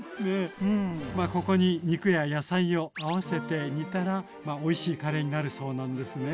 ここに肉や野菜を合わせて煮たらおいしいカレーになるそうなんですね。